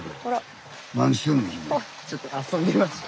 ちょっと遊んでました。